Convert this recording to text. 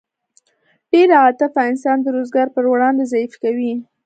ډېره عاطفه انسان د روزګار په وړاندې ضعیف کوي